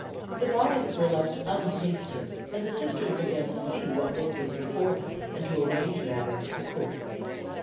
The viands were left untasted, and the Sisters began to see what work was before them, and to arrange matters accordingly.